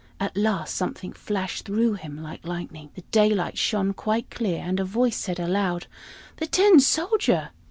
At last something flashed through him like lightning. The daylight shone quite clear, and a voice said aloud, "The Tin Soldier!"